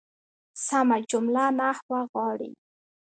سمه جمله نحوه غواړي.